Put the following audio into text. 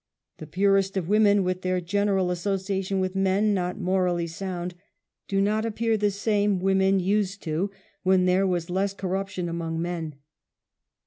The purest of women with their general association with men not morally sound, do not ap pear the same women used to, when there was less corruption among men.